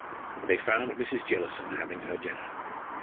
They found Mrs. Jellison having her dinner.